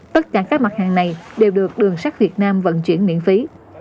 tất cả các mặt hàng này đều được đường sắt việt nam vận chuyển miễn phí